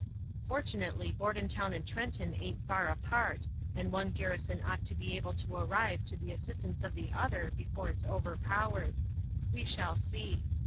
Fortunately Bordentown and Trenton aint far apart, and one garrison ought to be able to arrive to the assistance of the other before it's overpowered. We shall see.